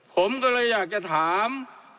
ผมก็เลยอยากจะถาม